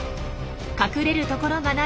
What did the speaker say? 隠れるところがない